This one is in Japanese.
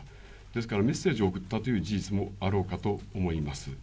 ですから、メッセージを送ったという事実もあろうかと思います。